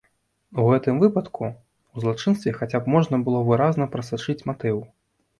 У гэтым выпадку ў злачынстве хаця б можна было выразна прасачыць матыў.